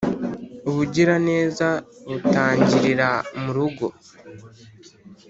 ubugiraneza butangirira murugo